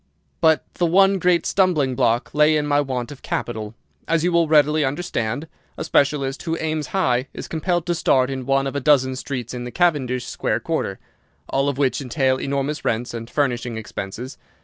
"But the one great stumbling block lay in my want of capital. As you will readily understand, a specialist who aims high is compelled to start in one of a dozen streets in the Cavendish Square quarter, all of which entail enormous rents and furnishing expenses.